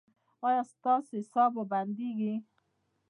ایا ستاسو ساه به بندیږي؟